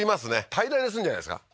平らにするんじゃないですか？